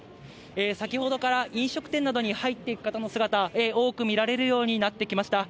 先ほどから飲食店などに入っていく方の姿、多く見られるようになってきました。